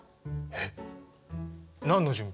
えっ何の準備？